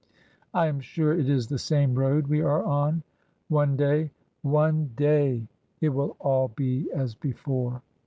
I am sure it is the same road we are on. One day — one day — it will all be as before."